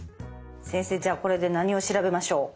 先生じゃあこれで何を調べましょう？